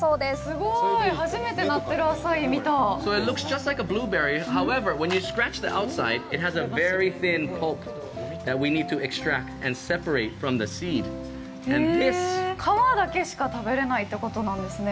すごい初めてなってるアサイー見たへぇ皮だけしか食べれないってことなんですね